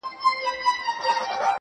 چي هغه تللې ده نو ته ولي خپه يې روحه.